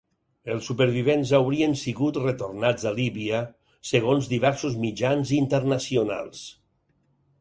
Els supervivents haurien sigut retornats a Líbia, segons diversos mitjans internacionals.